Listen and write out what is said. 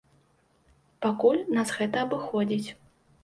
Пакуль нас гэта абыходзіць.